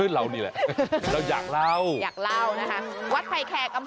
เอ้อเรานี่แหละ